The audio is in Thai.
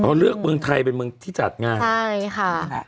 เขาเลือกเมืองไทยเป็นเมืองที่จัดงานใช่ค่ะ